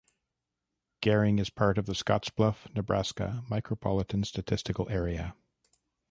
Gering is part of the Scottsbluff, Nebraska Micropolitan Statistical Area.